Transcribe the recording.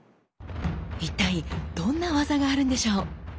一体どんな技があるんでしょう？